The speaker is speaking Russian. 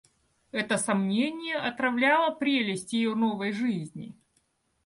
Это сомнение отравляло прелесть ее новой жизни.